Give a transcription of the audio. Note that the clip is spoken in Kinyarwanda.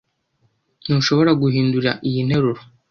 Ntushobora guhindura iyi nteruro?